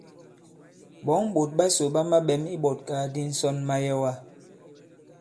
Ɓɔ̌ŋ ɓòt ɓasò ɓa maɓɛ̀m iɓɔ̀tkàgàdi ǹsɔn mayɛwa.